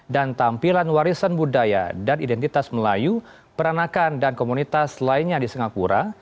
dan tampilan warisan budaya dan identitas melayu peranakan dan komunitas lainnya di singapura